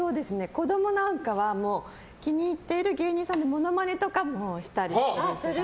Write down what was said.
子供なんかは気に入っている芸人さんのモノマネとかもしたりしてるし。